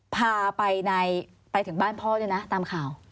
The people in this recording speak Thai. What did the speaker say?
พาไปถึงบ้านพ่อด้วยนะตามข่าว